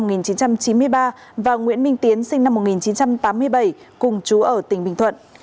trần xuân đạt sinh năm một nghìn chín trăm chín mươi ba nguyễn minh tiến sinh năm một nghìn chín trăm tám mươi bảy cùng chú ở tỉnh bình thuận